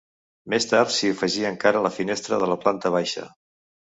Més tard s'hi afegí encara la finestra de la plata baixa.